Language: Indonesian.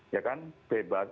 ya kan bebas